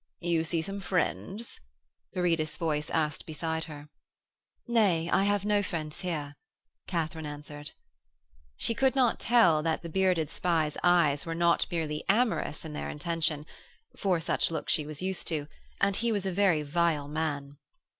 'You see some friends,' Viridus' voice asked beside her. 'Nay, I have no friends here,' Katharine answered. She could not tell that the bearded spy's eyes were not merely amorous in their intention, for such looks she was used to, and he was a very vile man.